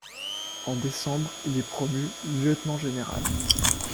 En décembre il est promu lieutenant-général.